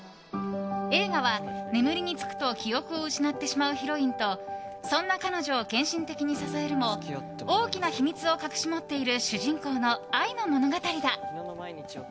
映画は眠りにつくと記憶を失ってしまうヒロインとそんな彼女を献身的に支えるも大きな秘密を隠し持っている主人公の愛の物語だ。